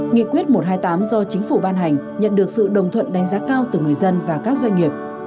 nghị quyết một trăm hai mươi tám do chính phủ ban hành nhận được sự đồng thuận đánh giá cao từ người dân và các doanh nghiệp